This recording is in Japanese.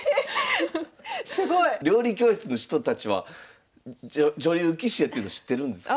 すごい！料理教室の人たちは女流棋士やっていうの知ってるんですか？